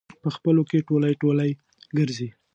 په خپلو کې ټولی ټولی ګرځي.